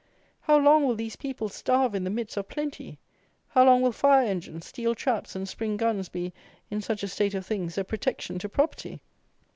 How long will these people starve in the midst of plenty? How long will fire engines, steel traps, and spring guns be, in such a state of things, a protection to property?